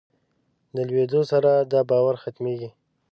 د لویېدو سره دا باور ختمېږي.